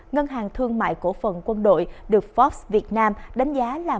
ngân hàng thương mại cổ phần quân đội được forbes việt nam đánh giá là